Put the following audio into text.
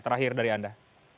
terakhir dari anda